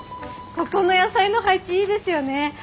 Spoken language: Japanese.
ここの野菜の配置いいですよね！